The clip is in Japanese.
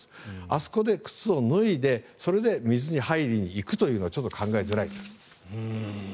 あそこで靴を脱いでそれで水に入りに行くのはちょっと考えづらいです。